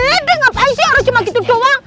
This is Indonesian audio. ada apaan sih cuma gitu doang